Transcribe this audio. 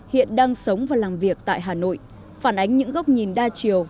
hiện đang sống và làm việc tại hà nội phản ánh những góc nhìn đa chiều